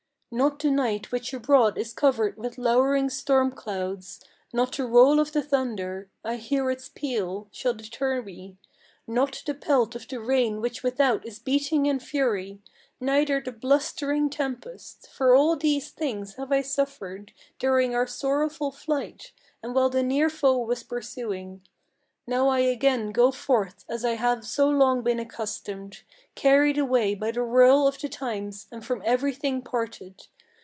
Not the night which abroad is covered with lowering storm clouds; Not the roll of the thunder I hear its peal shall deter me; Not the pelt of the rain which without is beating in fury; Neither the blustering tempest; for all these things have I suffered During our sorrowful flight, and while the near foe was pursuing. Now I again go forth, as I have so long been accustomed, Carried away by the whirl of the times, and from every thing parted.